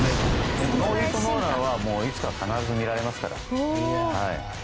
ノーヒットノーランはいつか必ず見られますから。